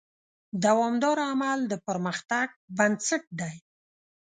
دوامداره عمل د پرمختګ بنسټ دی.